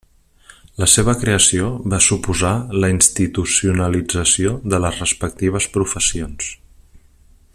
La seva creació va suposar la institucionalització de les respectives professions.